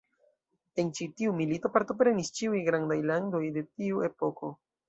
En ĉi tiu milito partoprenis ĉiuj grandaj landoj de tiu epoko.